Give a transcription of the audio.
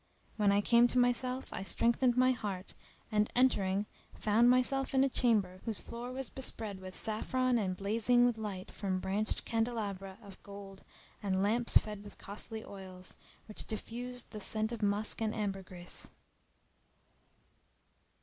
When I came to myself I strengthened my heart and, entering, found myself in a chamber whose floor was bespread with saffron and blazing with light from branched candelabra of gold and lamps fed with costly oils, which diffused the scent of musk and ambergris.